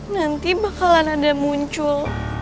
nanti bakalan ada muncul